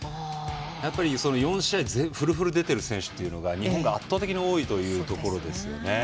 やっぱり４試合、フルで出ている選手というのが日本は圧倒的に多いということですよね。